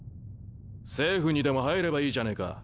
政府にでも入ればいいじゃねえか。